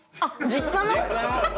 実家の⁉